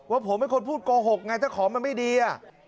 ผมเป็นคนพูดโกหกไงถ้าของมันไม่ดี